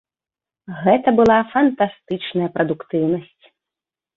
Гэта была фантастычная прадуктыўнасць.